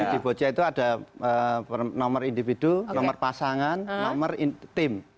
di bocah itu ada nomor individu nomor pasangan nomor tim